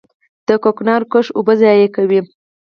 د کوکنارو کښت اوبه ضایع کوي.